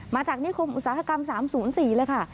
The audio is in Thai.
มาจากนิคมอุตสาหกรรม๓๐๔เลยค่ะ